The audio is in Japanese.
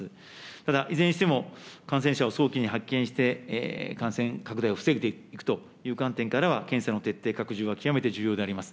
ただいずれにしても、感染者を早期に発見して、感染拡大を防いでいくという観点からは検査の徹底、拡充は極めて重要であります。